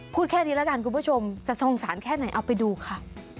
พูดแค่นี้แล้วกันคุณผู้ชมจะสงสารแค่ไหนเอาไปดูค่ะ